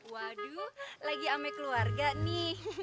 waduh lagi ame keluarga nih